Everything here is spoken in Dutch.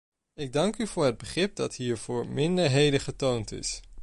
Ik dank u voor het begrip dat hier voor minderheden getoond is.